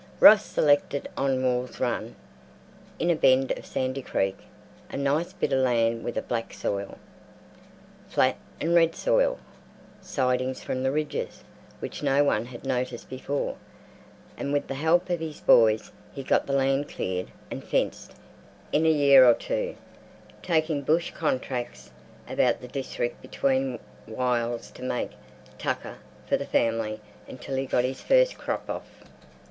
Ross selected on Wall's run, in a bend of Sandy Creek, a nice bit of land with a black soil, flat and red soil sidings from the ridges, which no one had noticed before, and with the help of his boys he got the land cleared and fenced in a year or two—taking bush contracts about the district between whiles to make "tucker" for the family until he got his first crop off.